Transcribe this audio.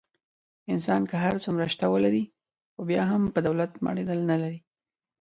انسان که هر څومره شته ولري. خو بیا هم په دولت مړېدل نه لري.